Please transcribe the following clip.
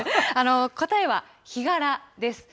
答えはヒガラです。